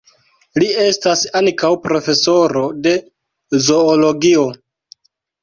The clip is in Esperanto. Li estas ankaŭ profesoro de zoologio.